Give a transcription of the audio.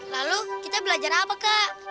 lalu kita belajar apa kak